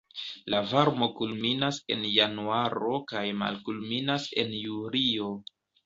La varmo kulminas en januaro kaj malkulminas en julio.